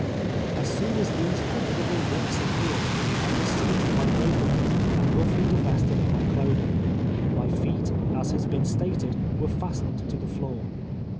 As soon as these formidable whi]:»s appeared, I Avas seized by both of them, and roughly divested of my clothing. ]\ry feet, as has been stated, were fastened to the lloor.